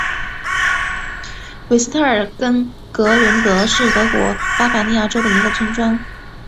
韦斯特尔恩格伦德是德国巴伐利亚州的一个村庄。